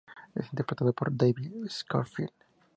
Es interpretado por David Schofield.